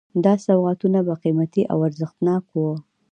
دا سوغاتونه به قیمتي او ارزښتناک وو.